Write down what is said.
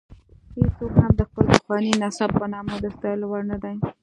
هېڅوک هم د خپل پخواني نسب په نامه د ستایلو وړ نه دی.